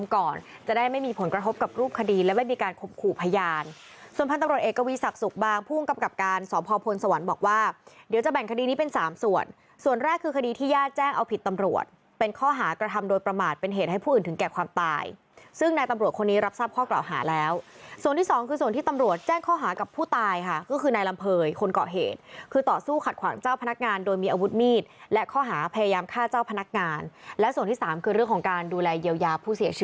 คดีที่ย่าแจ้งเอาผิดตำรวจเป็นข้อหากระทำโดยประมาทเป็นเหตุให้ผู้อื่นถึงแก่ความตายซึ่งนายตำรวจคนนี้รับทราบข้อกล่าวหาแล้วส่วนที่สองคือส่วนที่ตำรวจแจ้งข้อหากับผู้ตายค่ะก็คือนายลำเภยคนเกาะเหตุคือต่อสู้ขัดขวางเจ้าพนักงานโดยมีอาวุธมีดและข้อหาพยายามฆ่าเจ้า